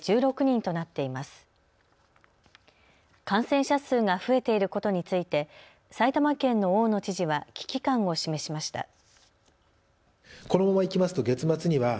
感染者数が増えていることについて埼玉県の大野知事は危機感を示しました。